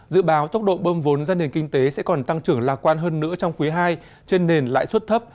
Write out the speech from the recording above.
dự báo tốc độ bơm vốn ra nền kinh tế sẽ còn tăng trưởng lạc quan hơn nữa trong quý ii trên nền lãi suất thấp